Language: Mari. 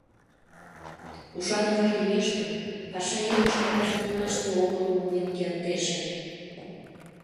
Ушан ава лиеш гын, паша эргыжым наказатлымаште огылым умылен кертеш ыле.